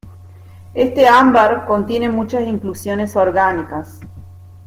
Este ámbar contiene muchas inclusiones orgánicas.